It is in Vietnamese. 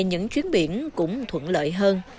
những chuyến biển cũng thuận lợi hơn